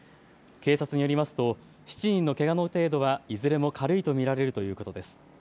警察によりますと７人のけがの程度はいずれも軽いと見られるということです。